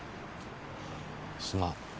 すまん。